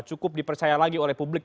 cukup dipercaya lagi oleh publik